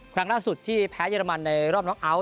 ครั้งล่าสุดที่แพ้เยอรมันในรอบน้องเอาท